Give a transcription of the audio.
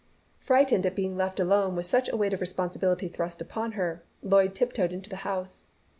Frightened at being left alone with such a weight of responsibility thrust upon her, Lloyd tiptoed into the house.